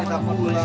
kemudian balik aja